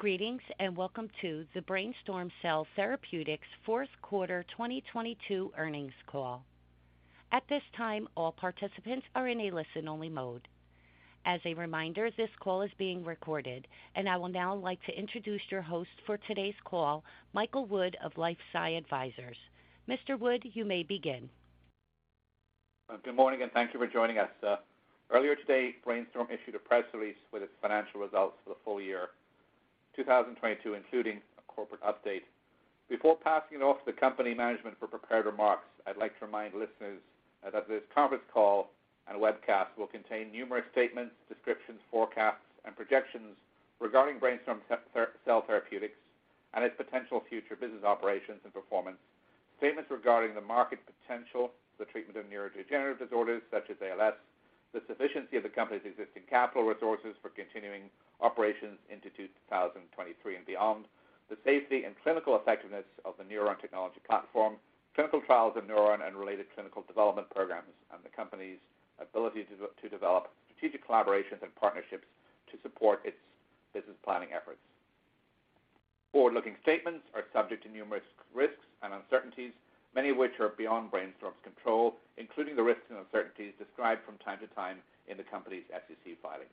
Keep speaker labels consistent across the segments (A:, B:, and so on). A: Greetings, welcome to the Brainstorm Cell Therapeutics fourth quarter 2022 earnings call. At this time, all participants are in a listen-only mode. As a reminder, this call is being recorded. I will now like to introduce your host for today's call, Michael Wood of LifeSci Advisors. Mr. Wood, you may begin.
B: Good morning, thank you for joining us. Earlier today, Brainstorm issued a press release with its financial results for the full year 2022, including a corporate update. Before passing it off to the company management for prepared remarks, I'd like to remind listeners that this conference call and webcast will contain numerous statements, descriptions, forecasts, and projections regarding Brainstorm Cell Therapeutics and its potential future business operations and performance. Statements regarding the market potential for the treatment of neurodegenerative disorders such as ALS, the sufficiency of the company's existing capital resources for continuing operations into 2023 and beyond, the safety and clinical effectiveness of the NurOwn technology platform, clinical trials of NurOwn and related clinical development programs, and the company's ability to develop strategic collaborations and partnerships to support its business planning efforts. Forward-looking statements are subject to numerous risks and uncertainties, many of which are beyond Brainstorm's control, including the risks and uncertainties described from time to time in the company's SEC filings.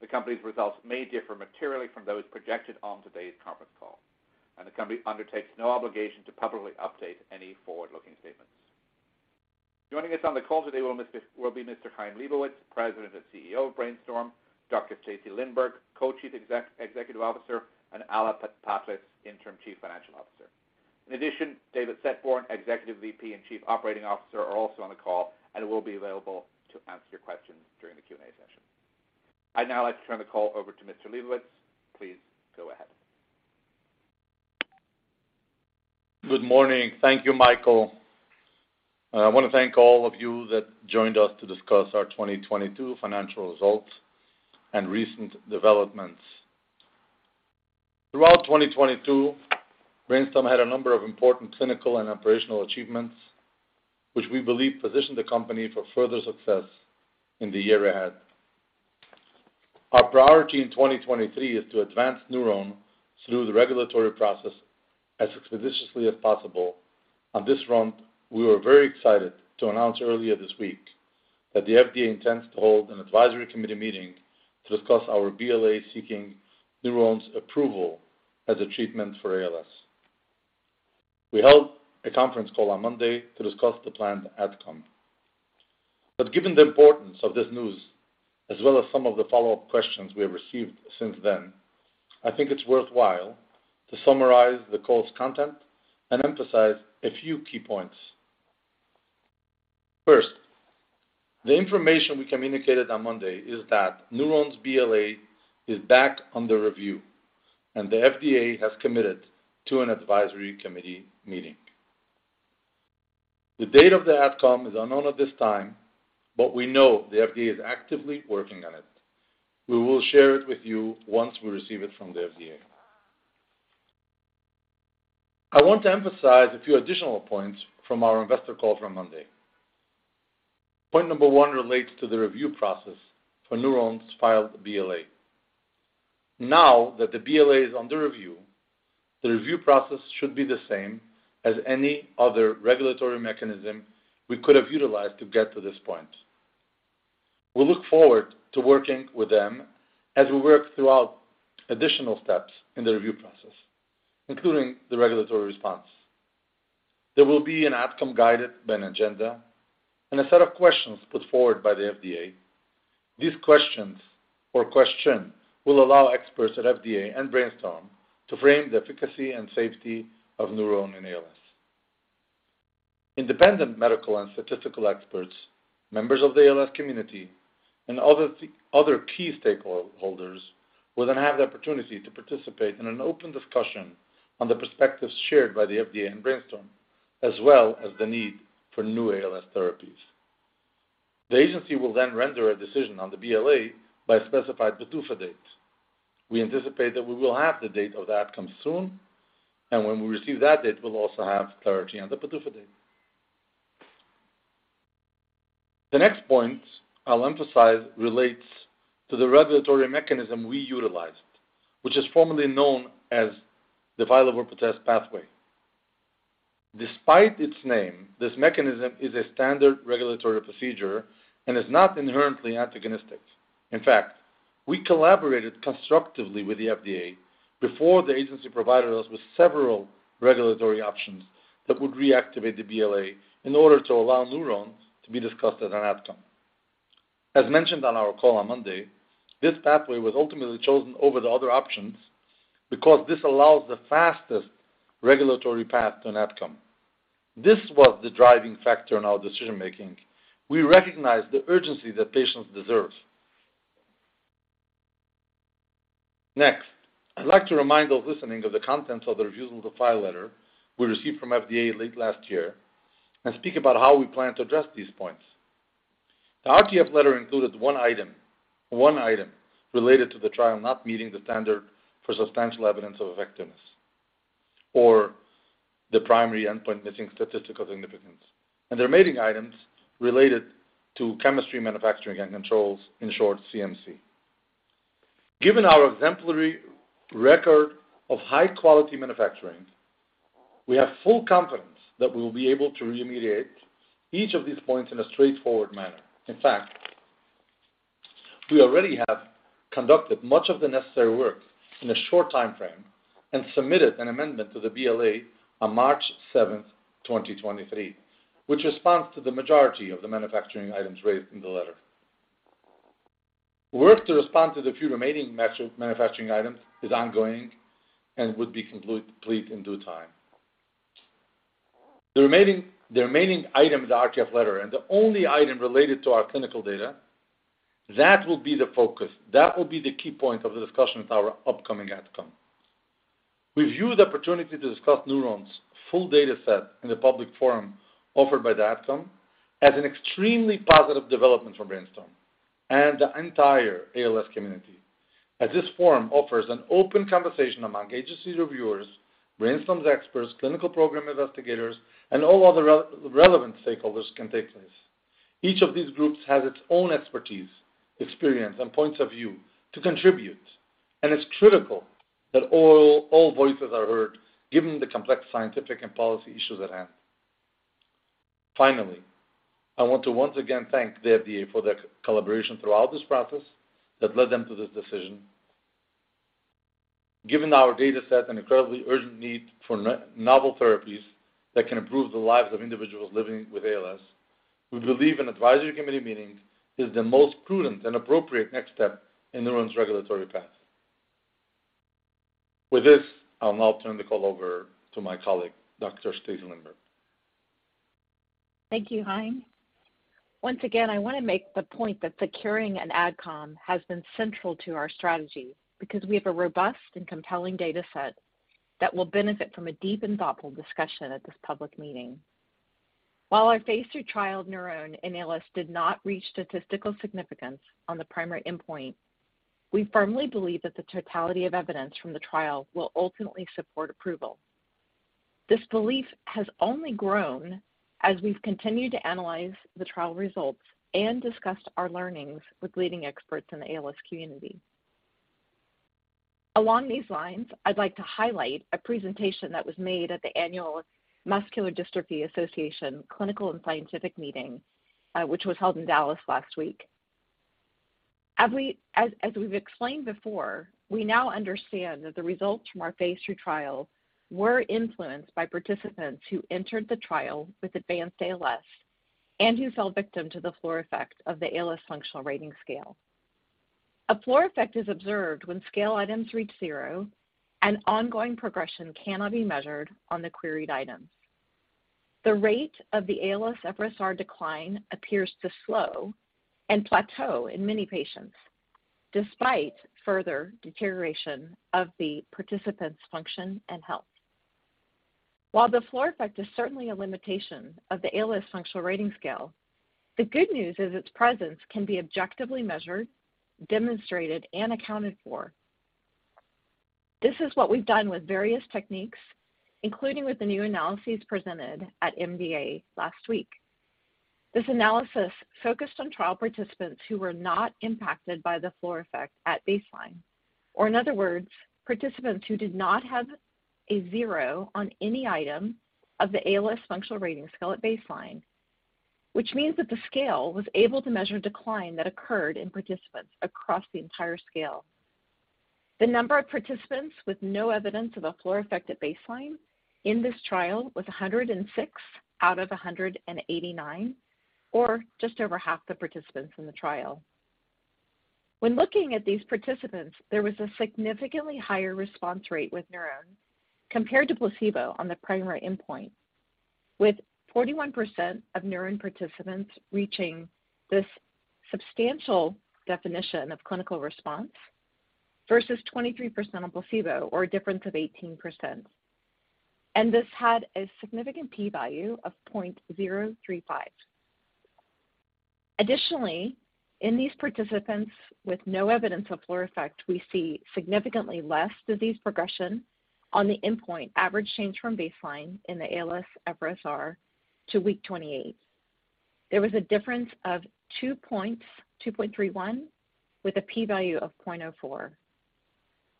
B: The company's results may differ materially from those projected on today's conference call, and the company undertakes no obligation to publicly update any forward-looking statements. Joining us on the call today will be Mr. Chaim Leibowitz, President and CEO of Brainstorm, Dr. Stacy Lindborg, Co-Chief Executive Officer, and Alla Patlis, Interim Chief Financial Officer. In addition, David Setboun, Executive VP and Chief Operating Officer, are also on the call and will be available to answer your questions during the Q&A session. I'd now like to turn the call over to Mr. Leibowitz. Please go ahead.
C: Good morning. Thank you, Michael. I wanna thank all of you that joined us to discuss our 2022 financial results and recent developments. Throughout 2022, Brainstorm had a number of important clinical and operational achievements, which we believe position the company for further success in the year ahead. Our priority in 2023 is to advance NurOwn through the regulatory process as expeditiously as possible. On this front, we were very excited to announce earlier this week that the FDA intends to hold an Advisory Committee meeting to discuss our BLA seeking NurOwn's approval as a treatment for ALS. We held a conference call on Monday to discuss the planned outcome. Given the importance of this news, as well as some of the follow-up questions we have received since then, I think it's worthwhile to summarize the call's content and emphasize a few key points. First, the information we communicated on Monday is that NurOwn's BLA is back under review. The FDA has committed to an Advisory Committee meeting. The date of the outcome is unknown at this time. We know the FDA is actively working on it. We will share it with you once we receive it from the FDA. I want to emphasize a few additional points from our investor call from Monday. Point number 1 relates to the review process for NurOwn's filed BLA. Now that the BLA is under review, the review process should be the same as any other regulatory mechanism we could have utilized to get to this point. We look forward to working with them as we work throughout additional steps in the review process, including the regulatory response. There will be an outcome guided by an agenda and a set of questions put forward by the FDA. These questions or question will allow experts at FDA and Brainstorm to frame the efficacy and safety of NurOwn in ALS. Independent medical and statistical experts, members of the ALS community, and other key stakeholders will then have the opportunity to participate in an open discussion on the perspectives shared by the FDA and Brainstorm, as well as the need for new ALS therapies. The agency will then render a decision on the BLA by a specified PDUFA date. We anticipate that we will have the date of the outcome soon. When we receive that date, we'll also have clarity on the PDUFA date. The next point I'll emphasize relates to the regulatory mechanism we utilized, which is formally known as the File Over Protest Pathway. Despite its name, this mechanism is a standard regulatory procedure and is not inherently antagonistic. In fact, we collaborated constructively with the FDA before the agency provided us with several regulatory options that would reactivate the BLA in order to allow NurOwn to be discussed as an outcome. As mentioned on our call on Monday, this pathway was ultimately chosen over the other options because this allows the fastest regulatory path to an outcome. This was the driving factor in our decision-making. We recognize the urgency that patients deserve. Next, I'd like to remind those listening of the contents of the reviews of the file letter we received from FDA late last year and speak about how we plan to address these points. The RTF letter included 1 item related to the trial not meeting the standard for substantial evidence of effectiveness. The primary endpoint missing statistical significance and their mating items related to chemistry, manufacturing and controls. In short, CMC. Given our exemplary record of high quality manufacturing, we have full confidence that we will be able to remediate each of these points in a straightforward manner. In fact, we already have conducted much of the necessary work in a short time frame and submitted an amendment to the BLA on March 7, 2023, which responds to the majority of the manufacturing items raised in the letter. Work to respond to the few remaining manufacturing items is ongoing and would be complete in due time. The remaining item in the RTF letter, and the only item related to our clinical data, that will be the focus. That will be the key point of the discussion with our upcoming outcome. We view the opportunity to discuss NurOwn's full data set in the public forum offered by the outcome as an extremely positive development for Brainstorm and the entire ALS community, as this forum offers an open conversation among agency reviewers, Brainstorm's experts, clinical program investigators, and all other relevant stakeholders can take place. Each of these groups has its own expertise, experience, and points of view to contribute, and it's critical that all voices are heard given the complex scientific and policy issues at hand. Finally, I want to once again thank the FDA for their collaboration throughout this process that led them to this decision. Given our data set an incredibly urgent need for novel therapies that can improve the lives of individuals living with ALS, we believe an Advisory Committee meeting is the most prudent and appropriate next step in NurOwn's regulatory path. With this, I'll now turn the call over to my colleague, Dr. Stacy Lindborg.
D: Thank you, Chaim. Once again, I want to make the point that securing an AdCom has been central to our strategy because we have a robust and compelling data set that will benefit from a deep and thoughtful discussion at this public meeting. While our phase 2 trial NurOwn in ALS did not reach statistical significance on the primary endpoint, we firmly believe that the totality of evidence from the trial will ultimately support approval. This belief has only grown as we've continued to analyze the trial results and discussed our learnings with leading experts in the ALS community. Along these lines, I'd like to highlight a presentation that was made at the Annual Muscular Dystrophy Association clinical and scientific meeting, which was held in Dallas last week. As we've explained before, we now understand that the results from our phase 3 trial were influenced by participants who entered the trial with advanced ALS and who fell victim to the floor effect of the ALS Functional Rating Scale. A floor effect is observed when scale items reach zero and ongoing progression cannot be measured on the queried items. The rate of the ALSFRS-R decline appears to slow and plateau in many patients, despite further deterioration of the participant's function and health. While the floor effect is certainly a limitation of the ALS Functional Rating Scale, the good news is its presence can be objectively measured, demonstrated, and accounted for. This is what we've done with various techniques, including with the new analyses presented at MDA last week. This analysis focused on trial participants who were not impacted by the floor effect at baseline, or in other words, participants who did not have a zero on any item of the ALS Functional Rating Scale at baseline, which means that the scale was able to measure decline that occurred in participants across the entire scale. The number of participants with no evidence of a floor effect at baseline in this trial was 106 out of 189, or just over half the participants in the trial. When looking at these participants, there was a significantly higher response rate with NurOwn compared to placebo on the primary endpoint, with 41% of NurOwn participants reaching this substantial definition of clinical response, versus 23% on placebo, or a difference of 18%. This had a significant P value of 0.035. Additionally, in these participants with no evidence of floor effect, we see significantly less disease progression on the endpoint average change from baseline in the ALSFRS-R to week 28. There was a difference of 2 points, 2.31, with a P value of 0.04.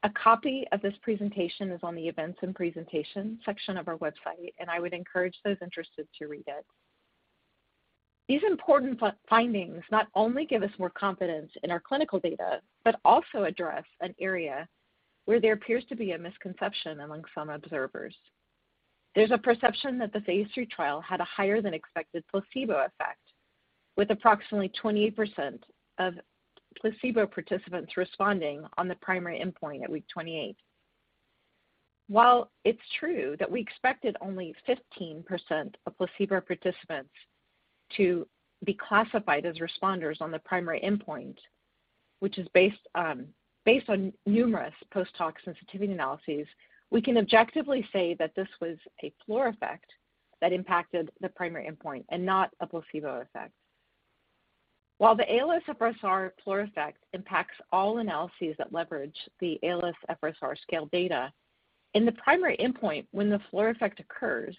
D: A copy of this presentation is on the Events and Presentation section of our website, and I would encourage those interested to read it. These important findings not only give us more confidence in our clinical data, but also address an area where there appears to be a misconception among some observers. There's a perception that the Phase 3 trial had a higher than expected placebo effect, with approximately 28% of placebo participants responding on the primary endpoint at week 28. While it's true that we expected only 15% of placebo participants to be classified as responders on the primary endpoint, which is based on numerous post-hoc sensitivity analyses, we can objectively say that this was a floor effect that impacted the primary endpoint and not a placebo effect. While the ALSFRS-R floor effect impacts all analyses that leverage the ALSFRS-R scale data in the primary endpoint when the floor effect occurs,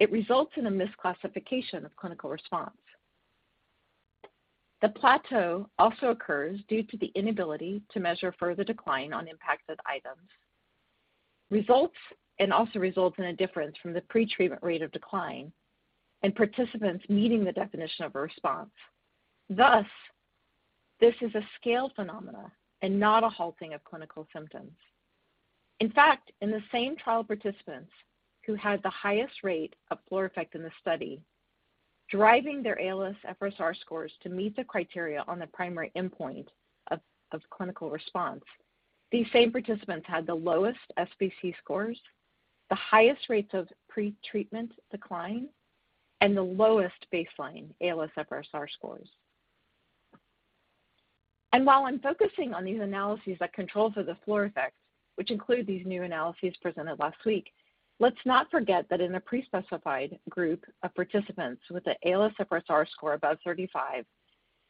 D: it results in a misclassification of clinical response. The plateau also occurs due to the inability to measure further decline on impacted items. Results, and also results in a difference from the pretreatment rate of decline and participants meeting the definition of a response. Thus, this is a scale phenomena and not a halting of clinical symptoms. In fact, in the same trial, participants who had the highest rate of floor effect in the study, driving their ALSFRS-R scores to meet the criteria on the primary endpoint of clinical response, these same participants had the lowest SBC scores, the highest rates of pretreatment decline, and the lowest baseline ALSFRS-R scores. While I'm focusing on these analyses that controls for the floor effects, which include these new analyses presented last week, let's not forget that in a pre-specified group of participants with an ALSFRS-R score above 35,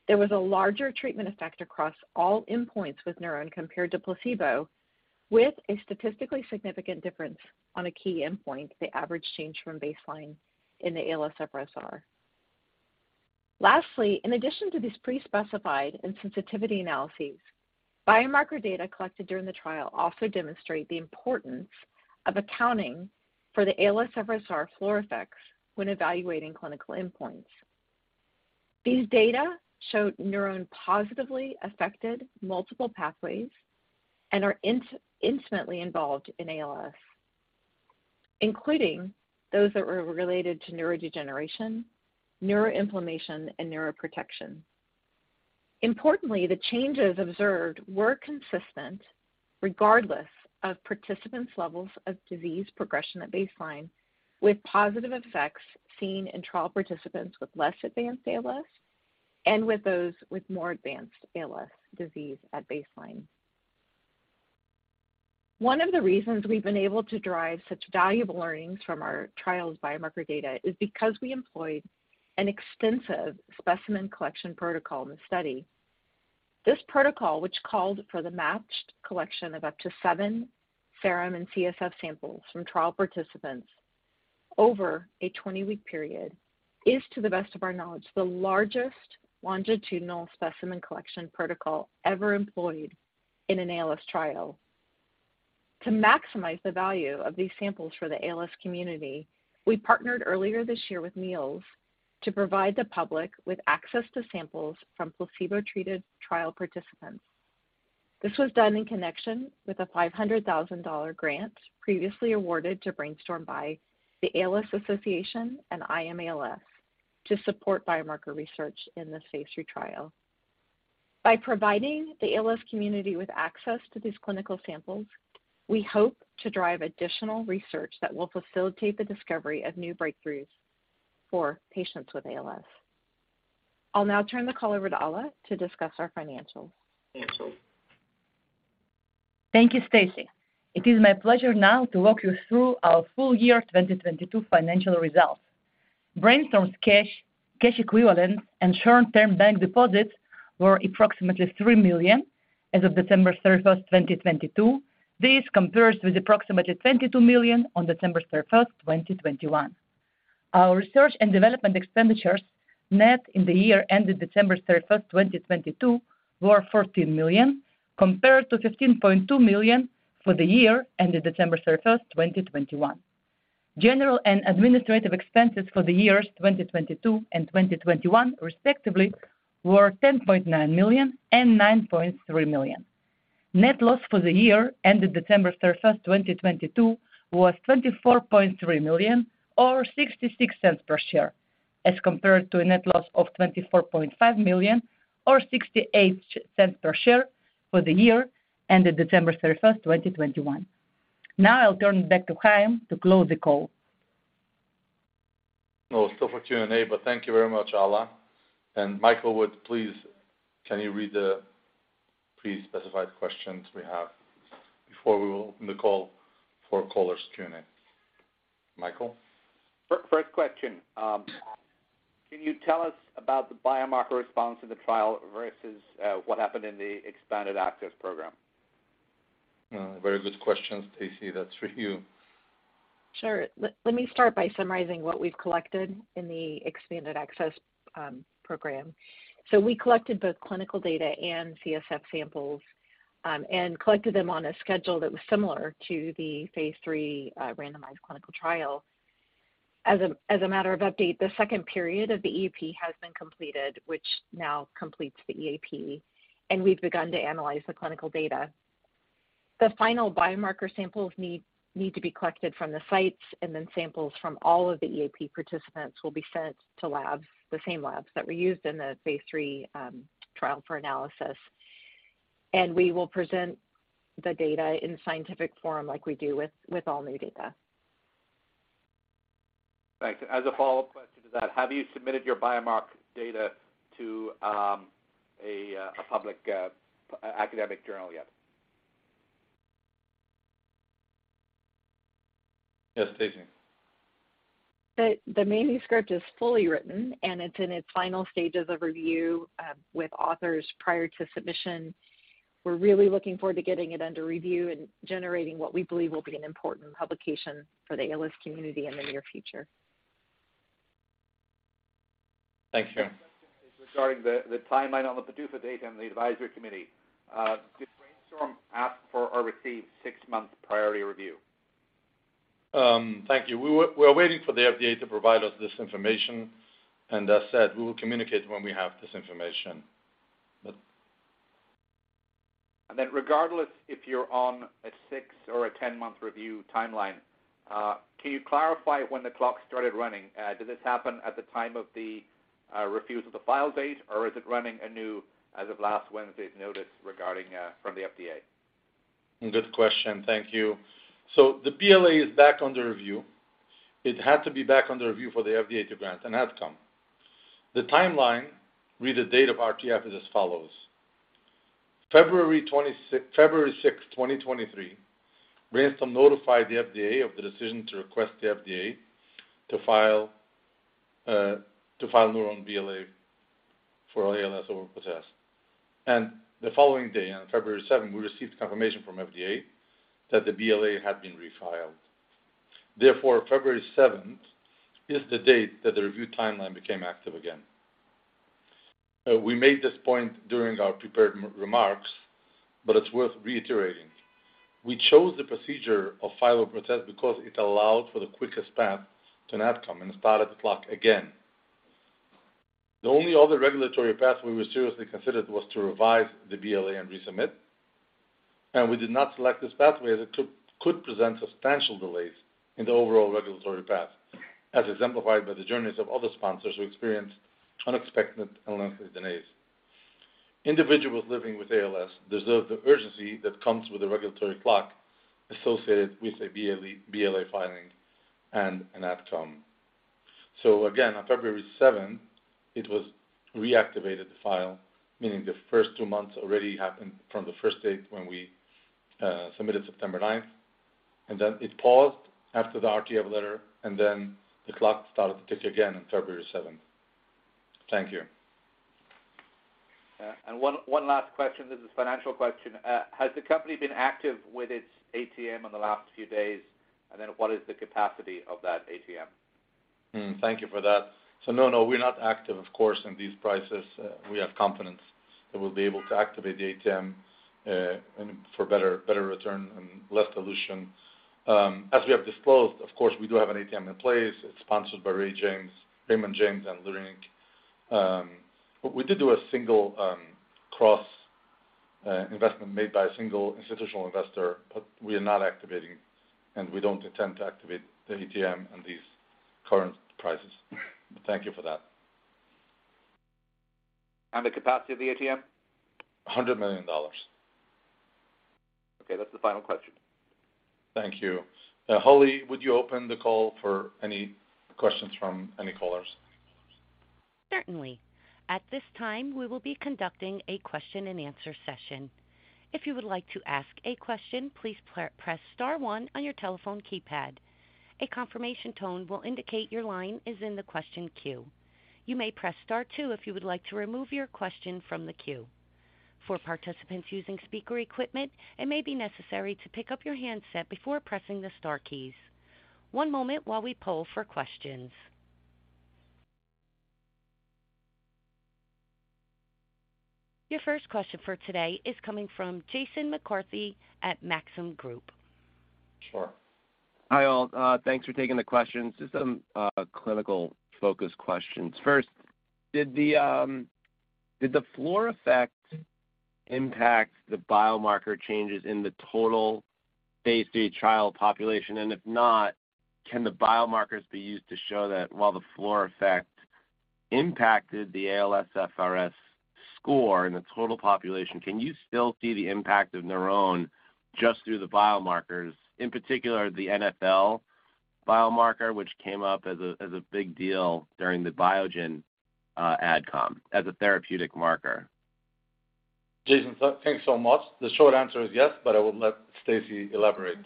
D: there was a larger treatment effect across all endpoints with NurOwn compared to placebo, with a statistically significant difference on a key endpoint, the average change from baseline in the ALSFRS-R. Lastly, in addition to these pre-specified and sensitivity analyses, biomarker data collected during the trial also demonstrate the importance of accounting for the ALSFRS-R floor effects when evaluating clinical endpoints. These data showed NurOwn positively affected multiple pathways and are intimately involved in ALS, including those that were related to neurodegeneration, neuroinflammation, and neuroprotection. Importantly, the changes observed were consistent regardless of participants' levels of disease progression at baseline, with positive effects seen in trial participants with less advanced ALS and with those with more advanced ALS disease at baseline. One of the reasons we've been able to derive such valuable learnings from our trials biomarker data is because we employed an extensive specimen collection protocol in the study. This protocol, which called for the matched collection of up to 7 serum and CSF samples from trial participants over a 20-week period, is, to the best of our knowledge, the largest longitudinal specimen collection protocol ever employed in an ALS trial. To maximize the value of these samples for the ALS community, we partnered earlier this year with NEALS to provide the public with access to samples from placebo-treated trial participants. This was done in connection with a $500,000 grant previously awarded to Brainstorm by The ALS Association and I AM ALS to support biomarker research in the phase III trial. By providing the ALS community with access to these clinical samples, we hope to drive additional research that will facilitate the discovery of new breakthroughs for patients with ALS. I'll now turn the call over to Alla to discuss our financials.
E: Thank you, Stacy. It is my pleasure now to walk you through our full year 2022 financial results. Brainstorm's cash equivalents, and short-term bank deposits were approximately $3 million as of December third first, 2022. This compares with approximately $22 million on December third first, 2021. Our research and development expenditures net in the year ended December third first, 2022 were $14 million, compared to $15.2 million for the year ended December third first, 2021. General and administrative expenses for the years 2022 and 2021, respectively, were $10.9 million and $9.3 million. Net loss for the year ended December third first, 2022 was $24.3 million or $0.66 per share, as compared to a net loss of $24.5 million or $0.68 per share for the year ended December third first, 2021. Now I'll turn it back to Chaim to close the call.
C: Still for Q&A, but thank you very much, Alla. Michael, please, can you read the pre-specified questions we have before we will open the call for callers' Q&A? Michael?
B: First question. Can you tell us about the biomarker response to the trial versus, what happened in the expanded access program?
C: Very good question. Stacy, that's for you.
D: Sure. Let me start by summarizing what we've collected in the expanded access program. We collected both clinical data and CSF samples, and collected them on a schedule that was similar to the Phase 3 randomized clinical trial. As a matter of update, the second period of the EAP has been completed, which now completes the EAP, and we've begun to analyze the clinical data. The final biomarker samples need to be collected from the sites, and then samples from all of the EAP participants will be sent to labs, the same labs that were used in the Phase 3 trial for analysis. We will present the data in scientific forum like we do with all new data.
B: Thanks. As a follow-up question to that, have you submitted your biomarker data to a public academic journal yet?
C: Yes, Stacy.
D: The manuscript is fully written, and it's in its final stages of review with authors prior to submission. We're really looking forward to getting it under review and generating what we believe will be an important publication for the ALS community in the near future.
C: Thanks, Stacy.
B: Regarding the timeline on the PDUFA date and the Advisory Committee, did Brainstorm ask for or receive 6-month priority review?
C: Thank you. We're waiting for the FDA to provide us this information. As said, we will communicate when we have this information.
B: Regardless if you're on a 6 or a 10-month review timeline, can you clarify when the clock started running? Did this happen at the time of the refuse of the file date, or is it running anew as of last Wednesday's notice regarding from the FDA?
C: Good question. Thank you. The BLA is back under review. It had to be back under review for the FDA to grant an outcome. The timeline re the date of RTF is as follows: February 6, 2023, Brainstorm notified the FDA of the decision to request the FDA to file NurOwn BLA for ALS over protest. The following day, on February 7, we received confirmation from FDA that the BLA had been refiled. Therefore, February 7 is the date that the review timeline became active again. We made this point during our prepared remarks, but it's worth reiterating. We chose the procedure of file protest because it allowed for the quickest path to an outcome and started the clock again. The only other regulatory path we seriously considered was to revise the BLA and resubmit, and we did not select this pathway as it could present substantial delays in the overall regulatory path, as exemplified by the journeys of other sponsors who experienced unexpected and lengthy delays. Individuals living with ALS deserve the urgency that comes with a regulatory clock associated with a BLA filing and an outcome. Again, on February seventh, it was reactivated, the file, meaning the first 2 months already happened from the first date when we submitted September ninth, and then it paused after the RTF letter, and then the clock started to tick again on February seventh. Thank you.
B: Yeah. One last question. This is a financial question. Has the company been active with its ATM in the last few days? What is the capacity of that ATM?
C: Thank you for that. No, no, we're not active, of course, in these prices. We have confidence that we'll be able to activate the ATM, and for better return and less dilution. As we have disclosed, of course, we do have an ATM in place. It's sponsored by Raymond James and Leerink. We did do a single, cross, investment made by a single institutional investor, but we are not activating, and we don't intend to activate the ATM on these current prices. Thank you for that.
B: The capacity of the ATM?
C: $100 million.
B: Okay, that's the final question.
C: Thank you. Holly, would you open the call for any questions from any callers?
A: Certainly. At this time, we will be conducting a question and answer session. If you would like to ask a question, please press star one on your telephone keypad. A confirmation tone will indicate your line is in the question queue. You may press star two if you would like to remove your question from the queue. For participants using speaker equipment, it may be necessary to pick up your handset before pressing the star keys. One moment while we poll for questions. Your first question for today is coming from Jason McCarthy at Maxim Group.
C: Sure.
F: Hi, all. Thanks for taking the questions. Just some clinical focus questions. First, did the floor effect impact the biomarker changes in the total phase D trial population? If not, can the biomarkers be used to show that while the floor effect impacted the ALS FRS score in the total population, can you still see the impact of NurOwn just through the biomarkers, in particular the NFL biomarker, which came up as a, as a big deal during the Biogen Adcom as a therapeutic marker?
C: Jason, thanks so much. The short answer is yes, but I will let Stacy elaborate.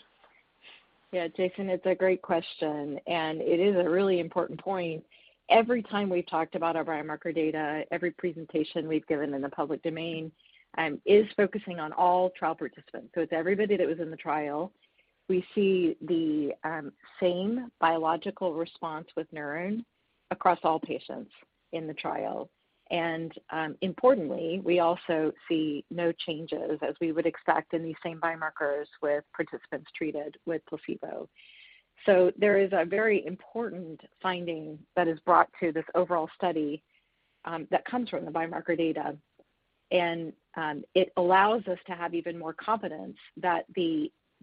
D: Yeah, Jason, it's a great question. It is a really important point. Every time we've talked about our biomarker data, every presentation we've given in the public domain, is focusing on all trial participants. It's everybody that was in the trial. We see the same biological response with NurOwn across all patients in the trial. Importantly, we also see no changes as we would expect in these same biomarkers with participants treated with placebo. There is a very important finding that is brought to this overall study that comes from the biomarker data, and it allows us to have even more confidence that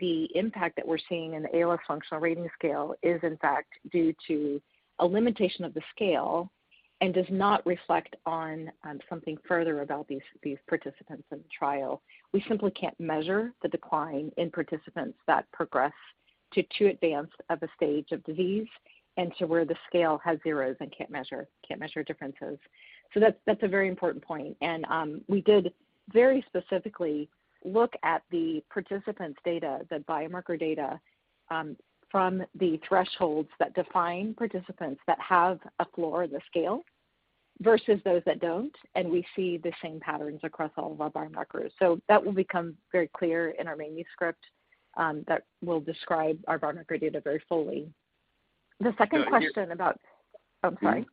D: the impact that we're seeing in the ALS Functional Rating Scale is in fact due to a limitation of the scale and does not reflect on something further about these participants in the trial. We simply can't measure the decline in participants that progress to too advanced of a stage of disease. To where the scale has zeros and can't measure differences. That's a very important point. We did very specifically look at the participants' data, the biomarker data, from the thresholds that define participants that have a floor of the scale versus those that don't, and we see the same patterns across all of our biomarkers. That will become very clear in our manuscript that will describe our biomarker data very fully. The second question about... Oh, sorry.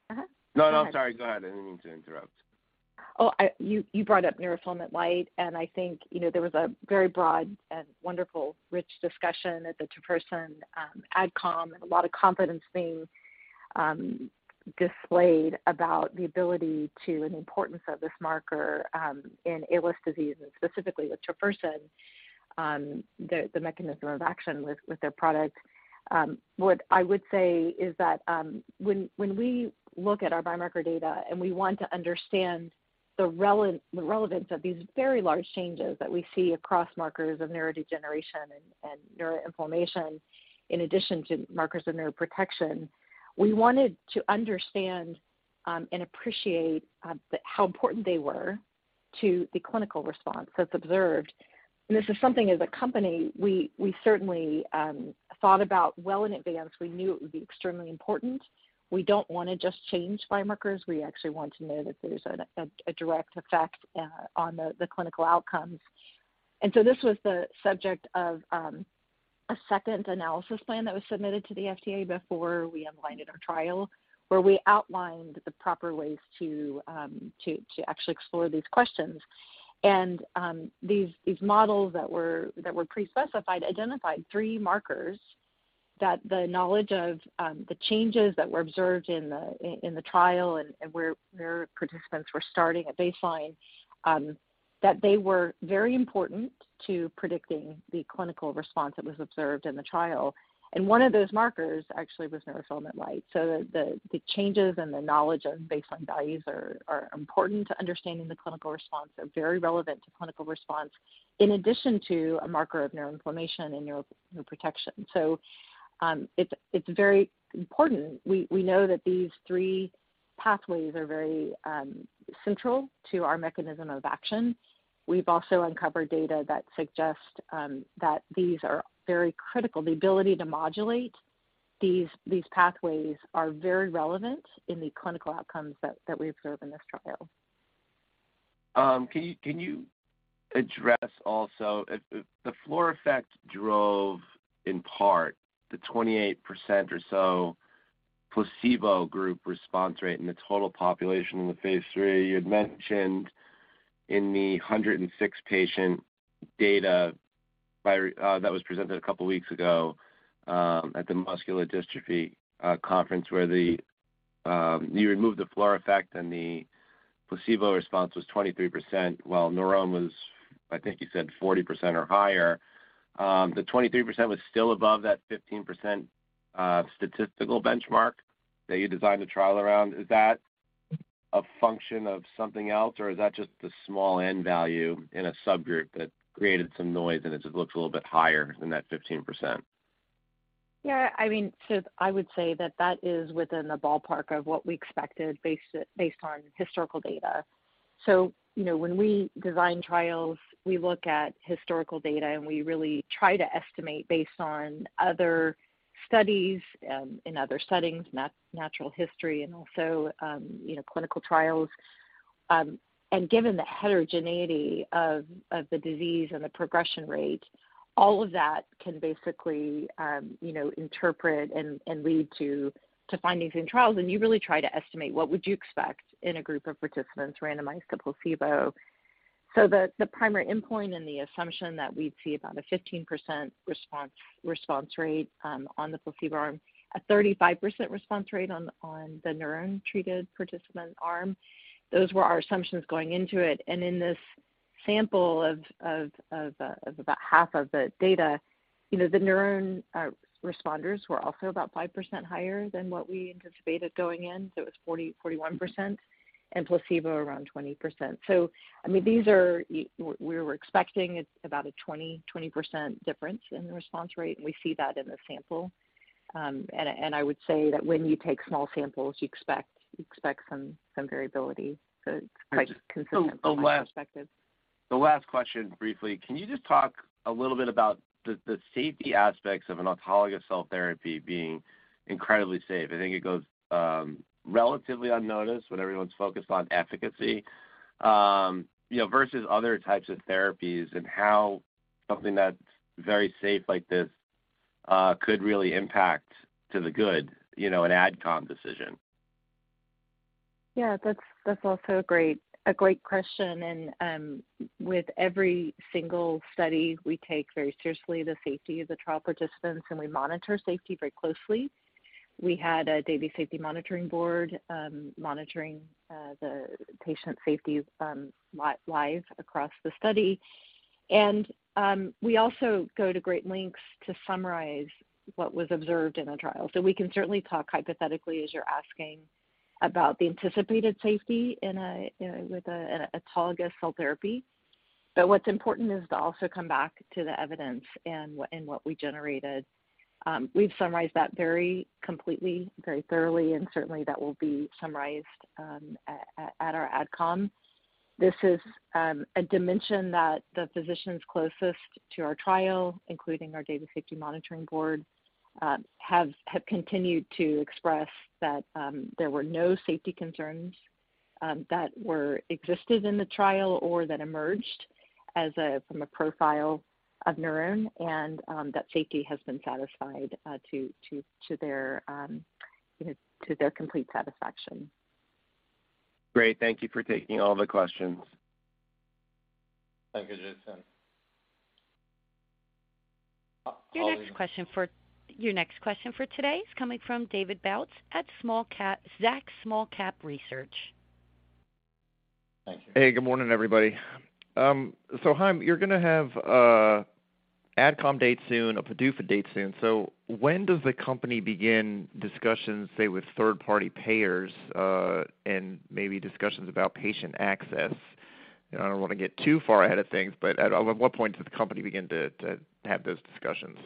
F: No, no, I'm sorry. Go ahead. I didn't mean to interrupt.
D: You brought up Neurofilament light, and I think, you know, there was a very broad and wonderful, rich discussion at the Tofersen AdCom, and a lot of confidence being displayed about the ability to, and the importance of this marker in ALS disease, and specifically with Tofersen, the mechanism of action with their product. What I would say is that, when we look at our biomarker data and we want to understand the relevance of these very large changes that we see across markers of neurodegeneration and neuroinflammation, in addition to markers of neuroprotection, we wanted to understand and appreciate how important they were to the clinical response that's observed. This is something as a company we certainly thought about well in advance. We knew it would be extremely important. We don't wanna just change biomarkers. We actually want to know that there's a direct effect on the clinical outcomes. This was the subject of a second analysis plan that was submitted to the FDA before we outlined in our trial, where we outlined the proper ways to actually explore these questions. These models that were pre-specified identified three markers that the knowledge of the changes that were observed in the trial and where neuro participants were starting at baseline, that they were very important to predicting the clinical response that was observed in the trial. One of those markers actually was Neurofilament light. The changes and the knowledge of baseline values are important to understanding the clinical response. They're very relevant to clinical response, in addition to a marker of neuroinflammation and neuroprotection. It's very important. We know that these three pathways are very central to our mechanism of action. We've also uncovered data that suggest that these are very critical. The ability to modulate these pathways are very relevant in the clinical outcomes that we observe in this trial.
F: Can you address also if the floor effect drove, in part, the 28% or so placebo group response rate in the total population in the phase 3. You had mentioned in the 106 patient data that was presented a couple weeks ago at the Muscular Dystrophy conference where you removed the floor effect and the placebo response was 23%, while NurOwn was, I think you said 40% or higher. The 23% was still above that 15% statistical benchmark that you designed the trial around. Is that a function of something else, or is that just the small N value in a subgroup that created some noise and it just looks a little bit higher than that 15%?
D: I mean, I would say that that is within the ballpark of what we expected based on historical data. You know, when we design trials, we look at historical data, and we really try to estimate based on other studies, in other settings, natural history and also, you know, clinical trials. Given the heterogeneity of the disease and the progression rate, all of that can basically, you know, interpret and lead to findings in trials, and you really try to estimate what would you expect in a group of participants randomized to placebo. The primary endpoint and the assumption that we'd see about a 15% response rate on the placebo arm, a 35% response rate on the NurOwn-treated participant arm, those were our assumptions going into it. In this sample of about half of the data, you know, the NurOwn responders were also about 5% higher than what we anticipated going in, so it was 40%-41%, and placebo around 20%. I mean, these are we were expecting it about a 20% difference in the response rate, and we see that in the sample. And I would say that when you take small samples, you expect some variability. It's quite consistent from my perspective.
F: The last question briefly, can you just talk a little bit about the safety aspects of an autologous cell therapy being incredibly safe? I think it goes relatively unnoticed when everyone's focused on efficacy, you know, versus other types of therapies and how something that's very safe like this could really impact to the good, you know, an AdCom decision.
D: Yeah. That's also a great question. With every single study, we take very seriously the safety of the trial participants, and we monitor safety very closely. We had a daily safety monitoring board monitoring the patient safety live across the study. We also go to great lengths to summarize what was observed in a trial. We can certainly talk hypothetically as you're asking about the anticipated safety in a, you know, with an autologous cell therapy. What's important is to also come back to the evidence and what we generated. We've summarized that very completely, very thoroughly, and certainly that will be summarized at our AdCom. This is a dimension that the physicians closest to our trial, including our Data Safety Monitoring Board, have continued to express that there were no safety concerns that were existed in the trial or that emerged from a profile of NurOwn and that safety has been satisfied to their, you know, to their complete satisfaction.
F: Great. Thank you for taking all the questions.
C: Thank you, Jason.
A: Your next question for today is coming from David Bautz at Zacks Small Cap Research.
G: Hey, good morning, everybody. Chaim, you're gonna have adcom date soon, a PDUFA date soon. When does the company begin discussions, say, with third-party payers, and maybe discussions about patient access? You know, I don't wanna get too far ahead of things, but on what point does the company begin to have those discussions?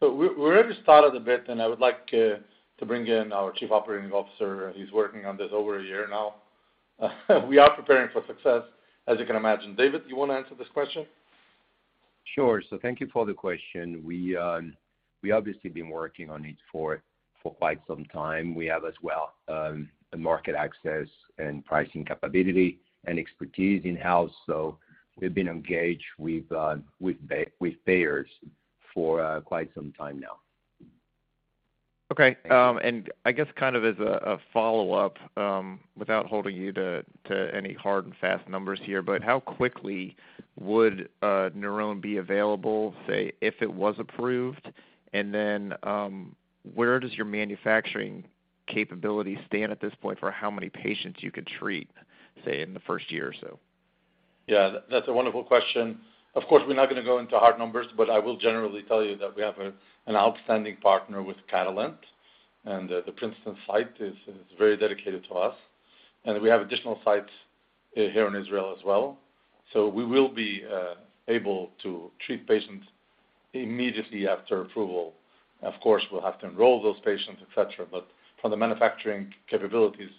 C: We already started a bit, and I would like to bring in our Chief Operating Officer. He's working on this over a year now. We are preparing for success, as you can imagine. David, you wanna answer this question?
H: Sure. Thank you for the question. We obviously been working on it for quite some time. We have as well, a market access and pricing capability and expertise in-house, so we've been engaged with payers for quite some time now.
G: Okay. I guess kind of as a follow-up, without holding you to any hard and fast numbers here, how quickly would NurOwn be available, say, if it was approved? Where does your manufacturing capability stand at this point for how many patients you could treat, say, in the first year or so?
C: Yeah, that's a wonderful question. Of course, we're not gonna go into hard numbers, but I will generally tell you that we have an outstanding partner with Catalent, and the Princeton site is very dedicated to us. We have additional sites here in Israel as well. We will be able to treat patients immediately after approval. Of course, we'll have to enroll those patients, et cetera. From the manufacturing capabilities,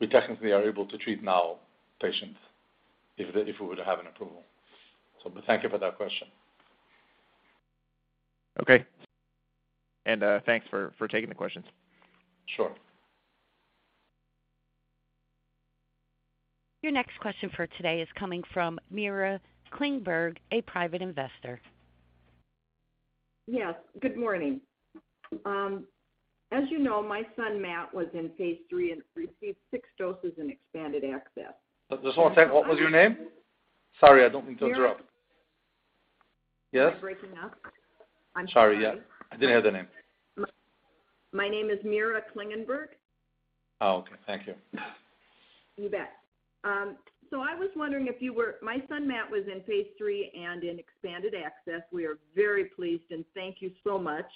C: we technically are able to treat now patients if we were to have an approval. Thank you for that question.
G: Okay. Thanks for taking the questions.
C: Sure.
A: Your next question for today is coming from Mira Klingberg, a private investor. Yes, good morning. As you know, my son Matt was in phase 3 and received 6 doses in expanded access.
C: Just one second. What was your name? Sorry, I don't mean to interrupt.
I: Mira-
C: Yes.
I: Am I breaking up? I'm sorry.
C: Sorry. Yeah, I didn't hear the name.
I: My name is Mira Klingberg.
C: Oh, okay. Thank you.
I: You bet. My son Matt was in phase 3 and in expanded access. We are very pleased, thank you so much.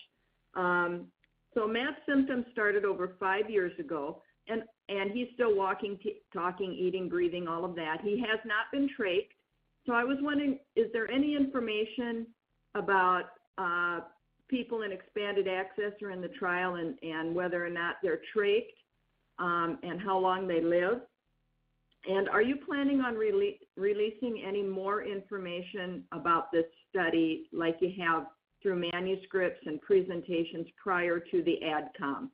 I: Matt's symptoms started over 5 years ago and he's still walking, talking, eating, breathing, all of that. He has not been trached. I was wondering, is there any information about people in expanded access or in the trial and whether or not they're trached and how long they live? Are you planning on releasing any more information about this study like you have through manuscripts and presentations prior to the adcom?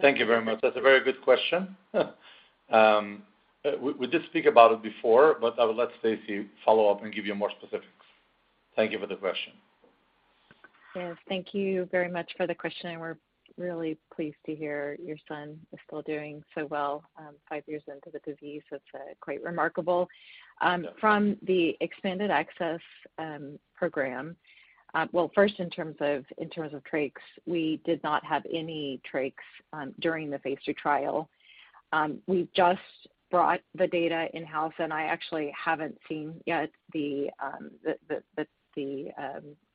C: Thank you very much. That's a very good question. We did speak about it before. I will let Stacy follow up and give you more specifics. Thank you for the question.
D: Yes, thank you very much for the question. We're really pleased to hear your son is still doing so well, 5 years into the disease. That's quite remarkable. From the expanded access program. Well, first in terms of trachs, we did not have any trachs during the Phase 3 trial. We've just brought the data in-house, and I actually haven't seen yet the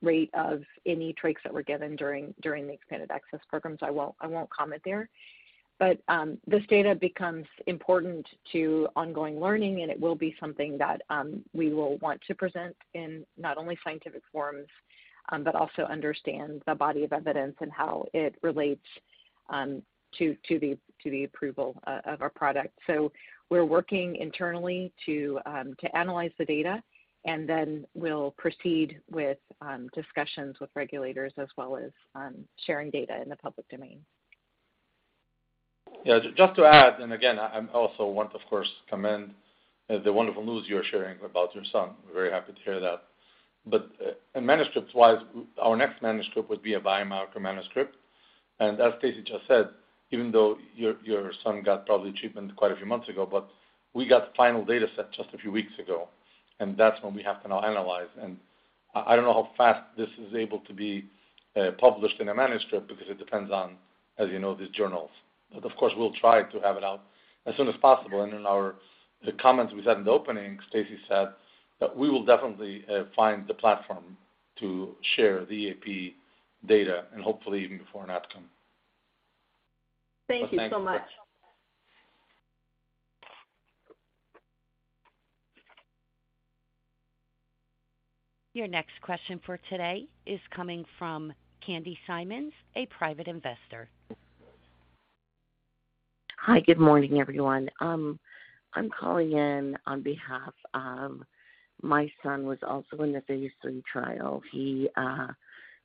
D: rate of any trachs that were given during the expanded access program, so I won't comment there. This data becomes important to ongoing learning, and it will be something that we will want to present in not only scientific forums, but also understand the body of evidence and how it relates to the approval of our product. We're working internally to analyze the data, and then we'll proceed with discussions with regulators as well as sharing data in the public domain.
C: Just to add, again, I also want, of course, commend the wonderful news you're sharing about your son. We're very happy to hear that. Manuscripts-wise, our next manuscript would be a biomarker manuscript. As Stacy just said, even though your son got probably treatment quite a few months ago, but we got the final dataset just a few weeks ago, and that's when we have to now analyze. I don't know how fast this is able to be published in a manuscript because it depends on, as you know, these journals. Of course, we'll try to have it out as soon as possible. In our, the comments we said in the opening, Stacy said that we will definitely find the platform to share the AP data and hopefully even before an adcom.
D: Thank you so much.
A: Your next question for today is coming from Candy Simons, a private investor.
J: Hi, good morning, everyone. I'm calling in on behalf of my son, was also in the Phase 3 trial. He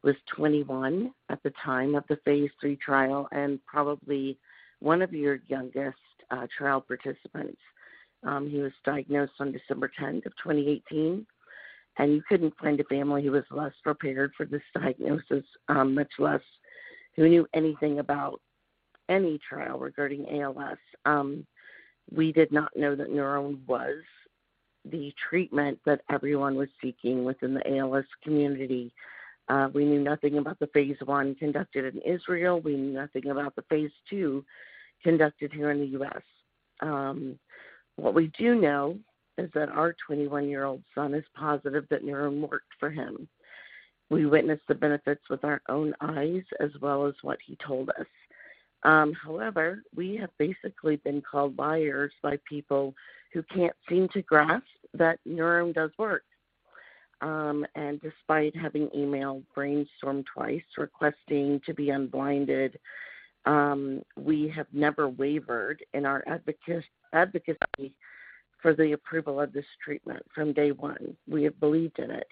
J: was 21 at the time of the Phase 3 trial and probably one of your youngest trial participants. He was diagnosed on December 10, 2018, and you couldn't find a family who was less prepared for this diagnosis, much less who knew anything about any trial regarding ALS. We did not know that NurOwn was the treatment that everyone was seeking within the ALS community. We knew nothing about the Phase 1 conducted in Israel. We knew nothing about the Phase 2 conducted here in the U.S. What we do know is that our 21-year-old son is positive that NurOwn worked for him. We witnessed the benefits with our own eyes as well as what he told us. However, we have basically been called liars by people who can't seem to grasp that NurOwn does work. Despite having emailed Brainstorm twice requesting to be unblinded, we have never wavered in our advocacy for the approval of this treatment from day one. We have believed in it.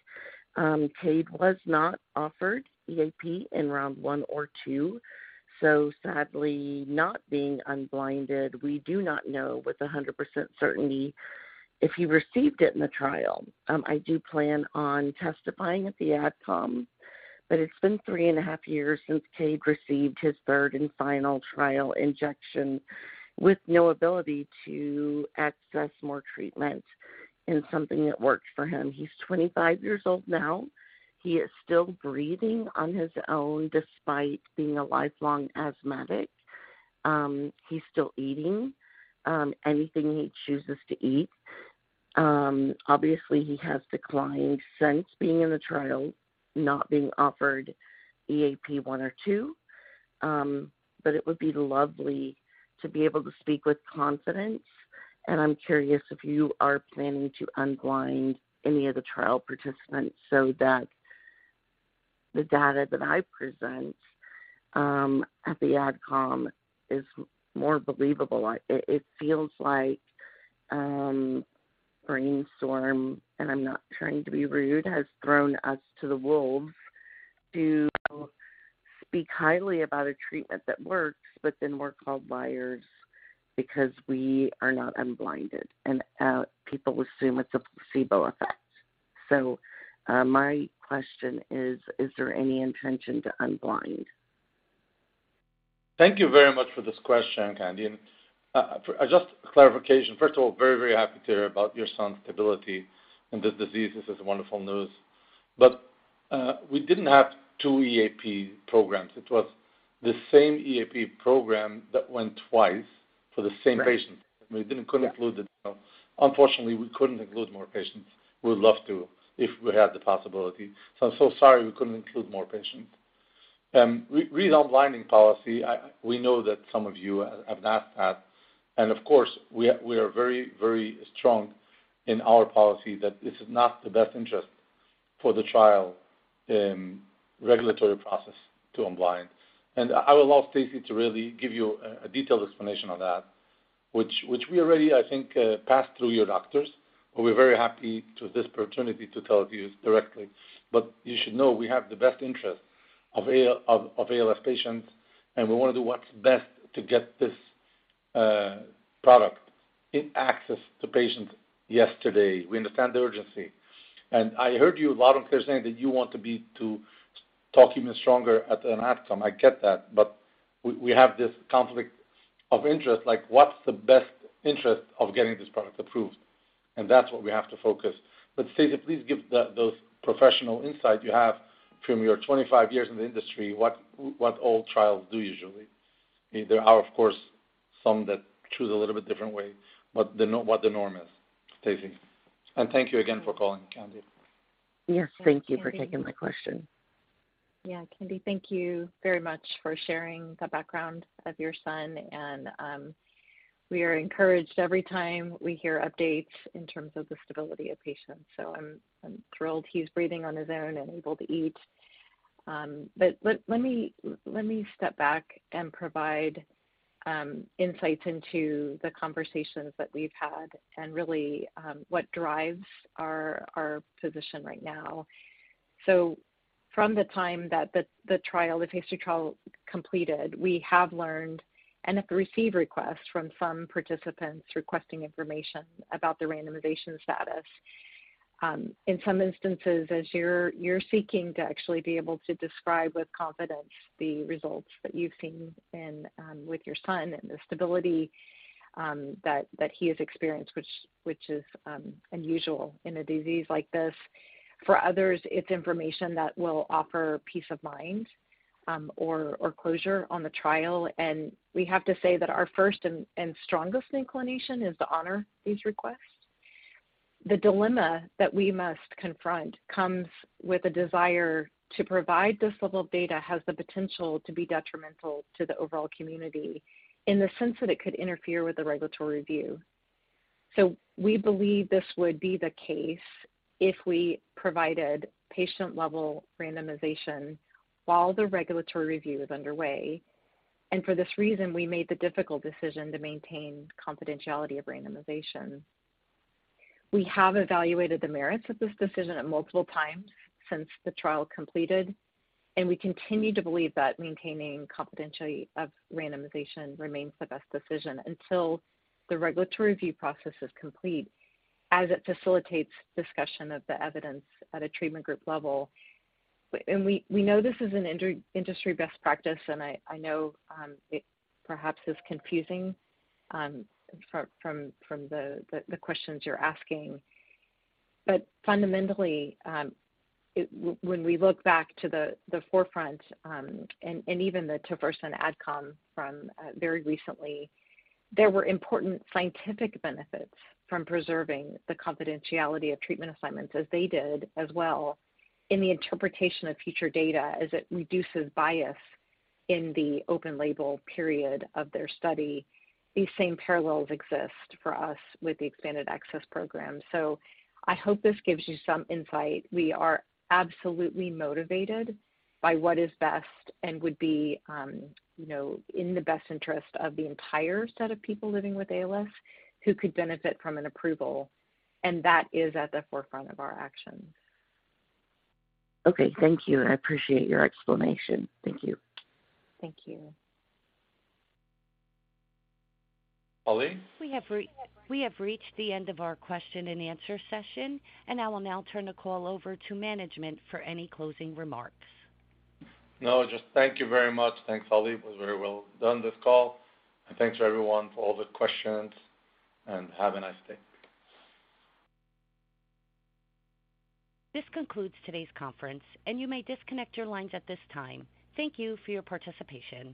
J: Cade was not offered EAP in round one or two. Sadly, not being unblinded, we do not know with 100% certainty if he received it in the trial. I do plan on testifying at the AdCom. It's been 3.5 years since Cade received his third and final trial injection with no ability to access more treatment and something that works for him. He's 25 years old now. He is still breathing on his own despite being a lifelong asthmatic. He's still eating anything he chooses to eat. Obviously, he has declined since being in the trial, not being offered EAP 1 or 2. It would be lovely to be able to speak with confidence. I'm curious if you are planning to unblind any of the trial participants so that the data that I present, at the AdCom is more believable. It feels like, Brainstorm, and I'm not trying to be rude, has thrown us to the wolves to speak highly about a treatment that works, but then we're called liars because we are not unblinded, and, people assume it's a placebo effect. My question is there any intention to unblind?
C: Thank you very much for this question, Candy. Just clarification. First of all, very, very happy to hear about your son's stability and this disease. This is wonderful news. We didn't have 2 EAP programs. It was the same EAP program that went twice for the same patient. We couldn't include them. Unfortunately, we couldn't include more patients. We would love to if we had the possibility. I'm so sorry we couldn't include more patients. Re-unblinding policy, we know that some of you have asked that. Of course, we are very, very strong in our policy that this is not the best interest for the trial, regulatory process to unblind. I would love Stacy to really give you a detailed explanation on that, which we already, I think, passed through your doctors, but we're very happy to have this opportunity to tell you directly. You should know we have the best interest of ALS patients, and we wanna do what's best to get this product in access to patients yesterday. We understand the urgency. I heard you loud and clear saying that you want to talk even stronger at an AdCom. I get that, but we have this conflict of interest, like what's the best interest of getting this product approved? That's what we have to focus. Stacy, please give those professional insight you have from your 25 years in the industry, what all trials do usually. There are, of course, some that choose a little bit different way, but what the norm is, Stacy. Thank you again for calling, Candy.
J: Yes, thank you for taking my question.
D: Candy, thank you very much for sharing the background of your son. We are encouraged every time we hear updates in terms of the stability of patients. I'm thrilled he's breathing on his own and able to eat. Let me step back and provide insights into the conversations that we've had and really what drives our position right now. From the time that the trial, the Phase 3 trial completed, we have learned and have received requests from some participants requesting information about their randomization status. In some instances, as you're seeking to actually be able to describe with confidence the results that you've seen and with your son and the stability that he has experienced, which is unusual in a disease like this. For others, it's information that will offer peace of mind, or closure on the trial. We have to say that our first and strongest inclination is to honor these requests. The dilemma that we must confront comes with a desire to provide this level of data has the potential to be detrimental to the overall community in the sense that it could interfere with the regulatory review. We believe this would be the case if we provided patient-level randomization while the regulatory review is underway. For this reason, we made the difficult decision to maintain confidentiality of randomization. We have evaluated the merits of this decision at multiple times since the trial completed, and we continue to believe that maintaining confidentiality of randomization remains the best decision until the regulatory review process is complete as it facilitates discussion of the evidence at a treatment group level. We know this is an industry best practice, and I know it perhaps is confusing from the questions you're asking. Fundamentally, when we look back to the forefront, and even the Tofersen Adcom from very recently, there were important scientific benefits from preserving the confidentiality of treatment assignments as they did as well in the interpretation of future data as it reduces bias in the open label period of their study. These same parallels exist for us with the expanded access program. I hope this gives you some insight. We are absolutely motivated by what is best and would be, you know, in the best interest of the entire set of people living with ALS who could benefit from an approval, and that is at the forefront of our actions.
J: Okay. Thank you. I appreciate your explanation. Thank you.
D: Thank you.
C: Ali?
A: We have reached the end of our question and answer session, and I will now turn the call over to management for any closing remarks.
C: No, just thank you very much. Thanks, Alla. It was very well done, this call. Thanks for everyone for all the questions, and have a nice day.
A: This concludes today's conference. You may disconnect your lines at this time. Thank you for your participation.